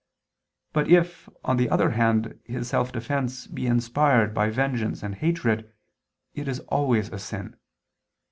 But if, on the other hand, his self defense be inspired by vengeance and hatred, it is always a sin.